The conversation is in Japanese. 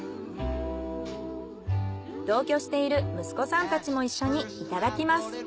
同居している息子さんたちも一緒にいただきます。